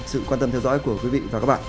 sự quan tâm theo dõi của quý vị và các bạn